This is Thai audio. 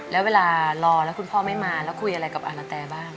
แล้วเวลารอแล้วคุณพ่อไม่มาแล้วคุยอะไรกับอาณาแตบ้าง